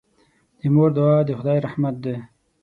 د مور دعا د خدای رحمت دی.